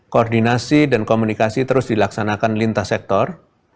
koordinasi dan komunikasi terus dilaksanakan lintas sektor